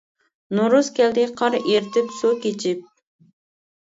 نورۇز كەلدى قار ئېرتىپ سۇ كېچىپ.